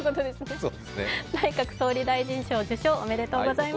内閣総理大臣賞受賞、おめでとうございます。